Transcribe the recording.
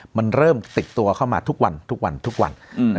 มันเริ่มติดตัวเข้ามาทุกวันทุกวันทุกวัน